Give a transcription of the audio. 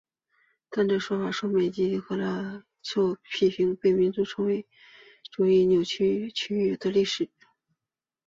但这说法受亚美尼亚和格鲁吉亚历史学家批评为被民族主义的扭曲该区域的历史。